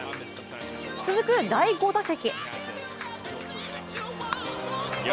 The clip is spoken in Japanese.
続く第５打席。